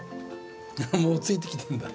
もうついてきてるんだ。